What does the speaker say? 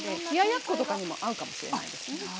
冷ややっことかにも合うかもしれないですね。